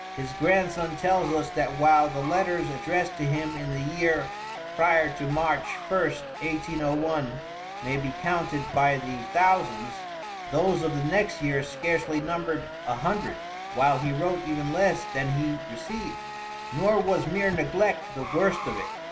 His grandson tells us that while the letters addressed to him in the year prior to March 1st, 1801, may be counted by the thousands, those of the next year scarcely numbered a hundred, while he wrote even less than he received. Nor was mere neglect the worst of it.